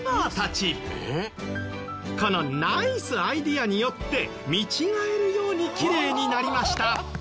このナイスアイデアによって見違えるようにきれいになりました。